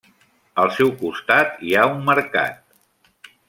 Al seu costat hi ha un mercat.